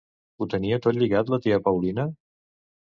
Ho tenia tot lligat la tia Paulina?